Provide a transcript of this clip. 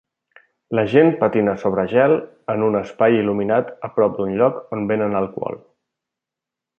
La gent patina sobre gel en un espai il·luminat a prop d'un lloc on venen alcohol.